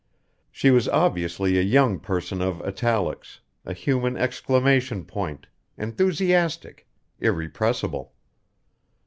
She was obviously a young person of italics, a human exclamation point, enthusiastic, irrepressible.